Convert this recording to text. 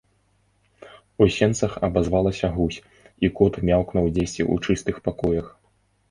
У сенцах абазвалася гусь, і кот мяўкнуў дзесьці ў чыстых пакоях.